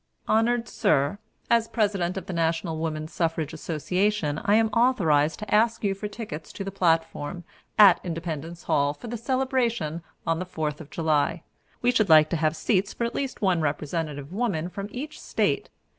"Honored Sir: As President of the National Woman's Suffrage Association, I am authorized to ask you for tickets to the platform, at Independence Hall, for the celebration on the Fourth of July. We should like to have seats for at least one representative woman from each State.